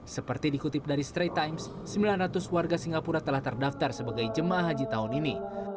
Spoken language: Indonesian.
seperti dikutip dari straight times sembilan ratus warga singapura telah terdaftar sebagai jemaah haji tahun ini